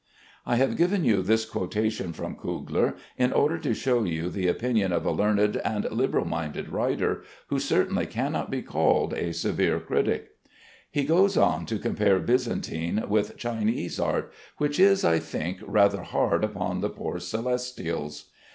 I have given you this quotation from Kugler, in order to show you the opinion of a learned and liberal minded writer, who certainly cannot be called a severe critic. He goes on to compare Byzantine with Chinese art, which is, I think, rather hard upon the poor Celestials.